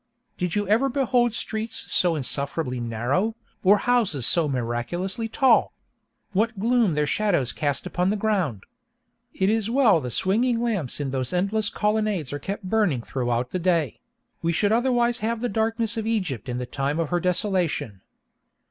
Did you ever behold streets so insufferably narrow, or houses so miraculously tall? What gloom their shadows cast upon the ground! It is well the swinging lamps in those endless colonnades are kept burning throughout the day; we should otherwise have the darkness of Egypt in the time of her desolation.